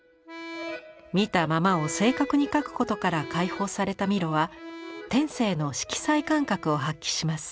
見たままを正確に描くことから解放されたミロは天性の色彩感覚を発揮します。